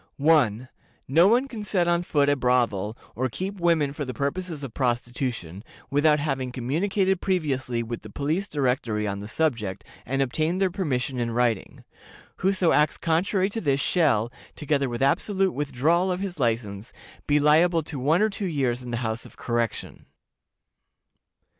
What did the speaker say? "1. No one can set on foot a brothel, or keep women for the purposes of prostitution, without having communicated previously with the Police Directory on the subject, and obtained their permission in writing. Whoso acts contrary to this shall, together with absolute withdrawal of his license, be liable to one or two years in the House of Correction.